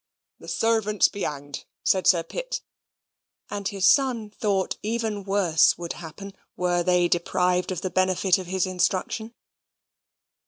"The servants be hanged," said Sir Pitt; and his son thought even worse would happen were they deprived of the benefit of his instruction.